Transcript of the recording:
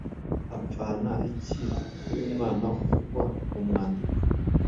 apfana iki n’uyu mwana uvugwa mu mwandiko?